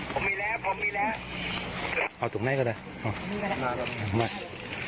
ผมมีแล้วผมมีแล้วเอาตรงนี้ก็ได้อ๋อนั่นก็ได้